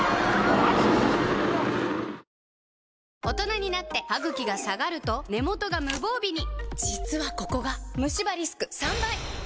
大人になってハグキが下がると根元が無防備に実はここがムシ歯リスク３倍！